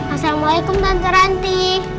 assalamualaikum tante ranti